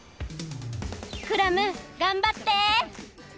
クラムがんばって！